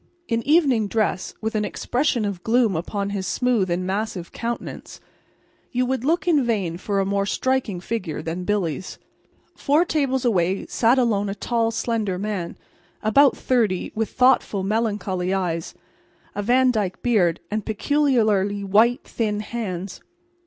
In evening dress, with an expression of gloom upon his smooth and massive countenance, you would look in vain for a more striking figure than Billy's. Four tables away sat alone a tall, slender man, about thirty, with thoughtful, melancholy eyes, a Van Dyke beard and peculiarly white, thin hands.